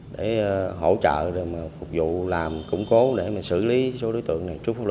để hỗ trợ phục vụ làm củng cố để xử lý số đối tượng